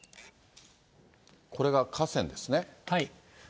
これが河川ですね。